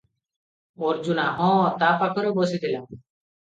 ଅର୍ଜୁନା - "ହଁ, ତା ପାଖରେ ବସିଥିଲେ ।"